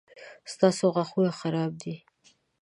ستاسو غاښونه خراب دي